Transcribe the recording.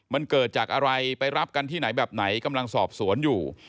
มันเกิดจากอะไรไปรับกันที่ไหนแบบไหนกำลังสอบสวนอยู่